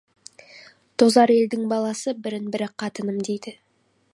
Тозар елдің баласы, бірін-бірі «қатыным» дейді.